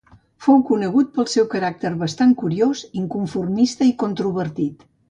Fou conegut pel seu caràcter bastant curiós, inconformista i controvertit.